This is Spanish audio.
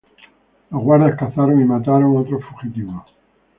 Los guardas cazaron y mataron otros fugitivos.